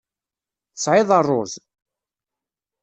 Tesɛiḍ ṛṛuz?